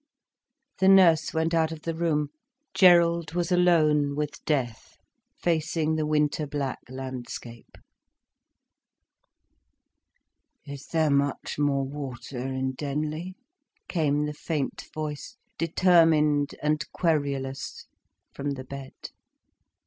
The nurse went out of the room, Gerald was alone with death, facing the winter black landscape. "Is there much more water in Denley?" came the faint voice, determined and querulous, from the bed.